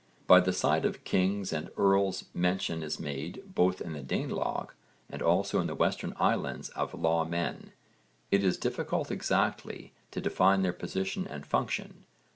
By the side of kings and earls mention is made both in the Danelagh and also in the Western Islands of lawmen. It is difficult exactly to define their position and function.